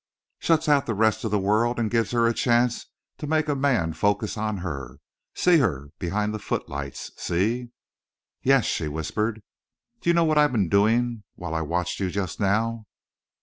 Shuts out the rest of the world and gives her a chance to make a man focus on her see her behind the footlights. See?" "Yes," she whispered. "Do you know what I've been doing while I watched you just now?"